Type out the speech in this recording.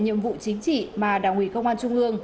nhiệm vụ chính trị mà đảng ủy công an trung ương